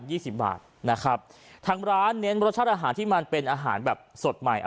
สิบบาทนะครับทางร้านเน้นรสชาติอาหารที่มันเป็นอาหารแบบสดใหม่